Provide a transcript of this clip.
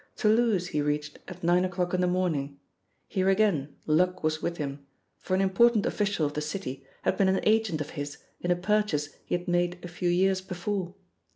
Toulouse he reached at nine o'clock in the morning; here again luck was with him, for an important official of the city had been an agent of his in a purchase he had made a few years before.